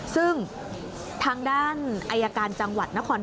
ซึ่งทางด้านอายการจังหวัดนครราชศรีมา